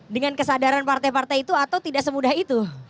dengan kesadaran partai partai itu atau tidak semudah itu